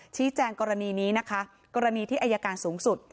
ชี้แจงกรณีนี้นะคะกรณีที่อายการสูงสุด